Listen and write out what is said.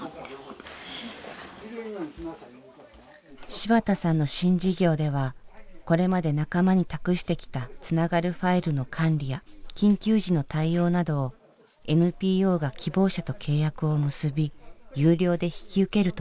芝田さんの新事業ではこれまで仲間に託してきた「つながるファイル」の管理や緊急時の対応などをＮＰＯが希望者と契約を結び有料で引き受けるといいます。